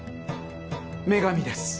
女神です。